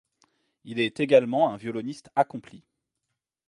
Il est également un violoniste accompli.